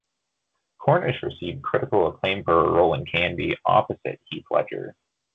Cornish received critical acclaim for her role in "Candy", opposite Heath Ledger.